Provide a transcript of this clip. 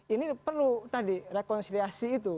ini perlu tadi rekonsiliasi itu